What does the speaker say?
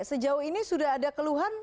sejauh ini sudah ada keluhan